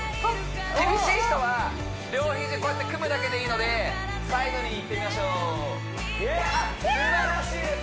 厳しい人は両肘こうやって組むだけでいいのでサイドにいってみましょうイエスあっすばらしいです